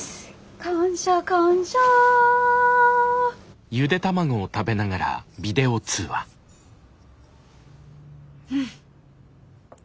感謝感謝うん。